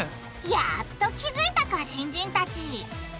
やっと気付いたか新人たち！